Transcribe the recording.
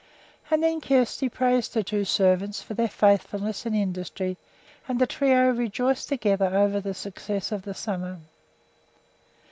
And then Kjersti praised her two servants for their faithfulness and industry, and the trio rejoiced together over the success of the summer.